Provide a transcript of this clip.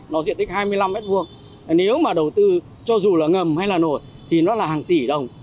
nó diện tích hai mươi năm m hai nếu mà đầu tư cho dù là ngầm hay là nổi thì nó là hàng tỷ đồng